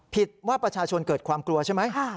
ผิดว่าประชาชนเกิดความกลัวใช่ไหม